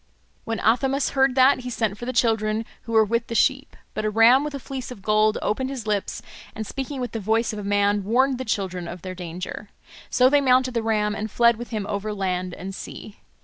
When Athamas heard that, he sent for the children, who were with the sheep. But a ram with a fleece of gold opened his lips, and speaking with the voice of a man warned the children of their danger. So they mounted the ram and fled with him over land and sea.